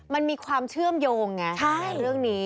มันมีความเชื่อมโยงไงในเรื่องนี้